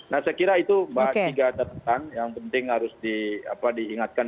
nah saya kira itu mbak tiga catatan yang penting harus diingatkan